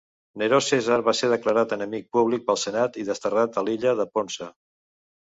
Neró Cèsar va ser declarat enemic públic pel senat i desterrat a l'illa de Ponça.